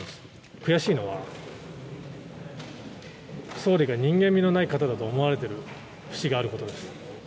悔しいのは、総理が人間味のない方だと思われている節があることです。